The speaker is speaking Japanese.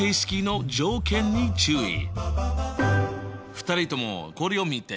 ２人ともこれを見て！